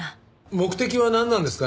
目的はなんなんですかね？